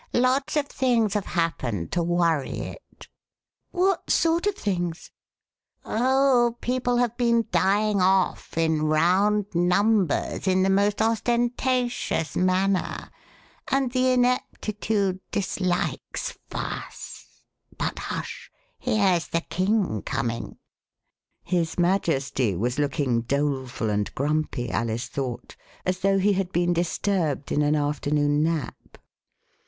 Lots of things have happened to worry it." "What sort of things.^" Oh, people have been dying ofF in round numbers, in the most ostentatious manner, and 6 Alice in Downing Street the Ineptitude dislikes fuss — but hush, here's the King coming." His Majesty was looking doleful and grumpy, Alice thought, as though he had been disturbed in an afternoon nap.